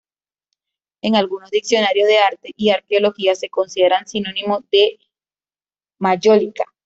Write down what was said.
En algunos diccionarios de arte y arqueología se considera sinónimo de mayólica.